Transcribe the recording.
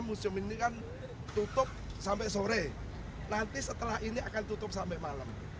museum ini kan tutup sampai sore nanti setelah ini akan tutup sampai malam